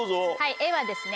「え」はですね。